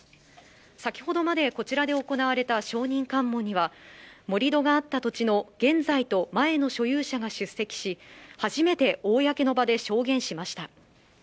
先ほどまで、こちらで行われた証人喚問には、盛り土があった土地の現在と前の所有者が出席し、初めて公の場で証言しました。